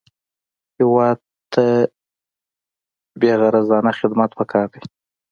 هېواد ته بېغرضانه خدمت پکار دی